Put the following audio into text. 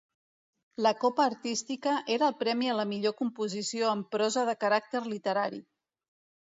La Copa Artística era el premi a la millor composició en prosa de caràcter literari.